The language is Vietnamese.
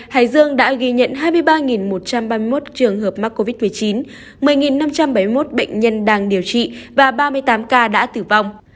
hải dương đã ghi nhận hai mươi ba một trăm ba mươi một trường hợp mắc covid một mươi chín một mươi năm trăm bảy mươi một bệnh nhân đang điều trị và ba mươi tám ca đã tử vong